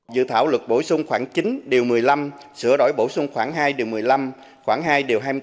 dự thảo luật bổ sung khoảng chín điều một mươi năm sửa đổi bổ sung khoảng hai điều một mươi năm khoảng hai điều hai mươi bốn